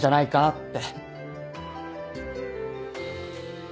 って。